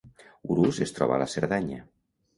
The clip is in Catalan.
Urús es troba a la Cerdanya